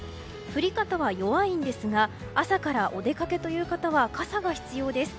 降り方は弱いんですが朝からお出かけという方は傘が必要です。